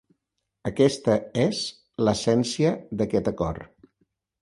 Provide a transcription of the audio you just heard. Aquesta és l’essència d’aquest acord.